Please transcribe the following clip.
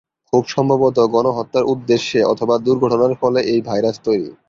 খুব সম্ভবত গণহত্যার উদ্দেশ্যে অথবা দূর্ঘটনার ফলে এই ভাইরাস তৈরি।